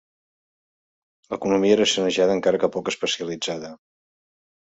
L'economia era sanejada encara que poc especialitzada.